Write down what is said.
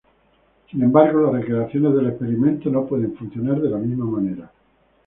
Sin embargo, las recreaciones del experimento no pueden funcionar de la misma manera.